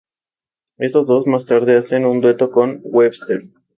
Estos dos, más tarde, hacen un dueto con Webster.